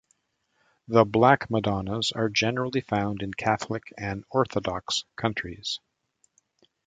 The Black Madonnas are generally found in Catholic and Orthodox countries.